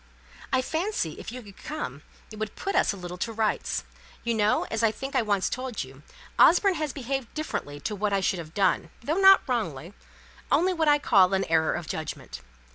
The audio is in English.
"I fancy if you could come it would put us a little to rights. You know, as I think I once told you, Osborne has behaved differently to what I should have done, though not wrongly, only what I call an error of judgment.